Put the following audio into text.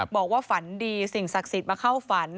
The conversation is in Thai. บอกว่าฝันดีสิ่งศักดิ์สิทธิ์มาเข้าฝัน